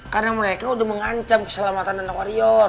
karena mereka udah mengancam keselamatan anak warior